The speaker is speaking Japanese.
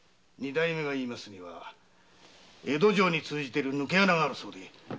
二代目が言いますには江戸城に通じている抜け穴があるそうで。